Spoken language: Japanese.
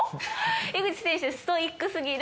井口選手「ストイックすぎる」。